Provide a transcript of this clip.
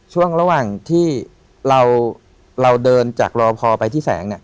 ช่วงระหว่างที่เราเดินจากรอพอไปที่แสงเนี่ย